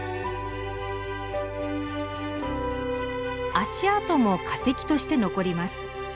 足跡も化石として残ります。